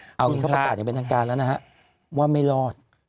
อันนี้เขาประกาศอย่างเป็นทางการแล้วนะฮะว่าไม่รอด